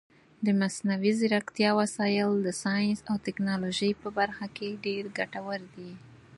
د مصنوعي ځیرکتیا وسایل د ساینس او ټکنالوژۍ په برخه کې ډېر ګټور دي.